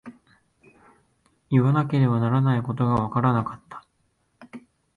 言わなければいけないことがわからなかった。